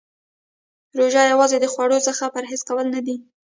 روژه یوازې د خوړو څخه پرهیز کول نه دی .